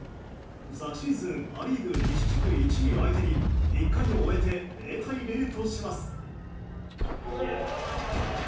昨シーズンア・リーグ西地区１位相手に１回を終えて０対０とします。